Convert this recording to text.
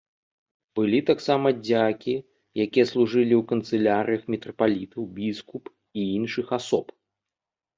Былі таксама дзякі якія служылі ў канцылярыях мітрапалітаў, біскуп і іншых асоб.